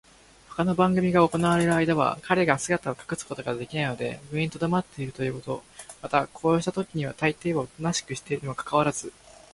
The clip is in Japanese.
ほかの番組が行われるあいだは、彼が姿を隠すことができないので上にとどまっているということ、またこうしたときにはたいていはおとなしくしているにもかかわらず、